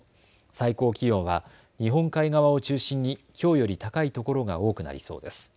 最高気温は日本海側を中心にきょうより高いところが多くなりそうです。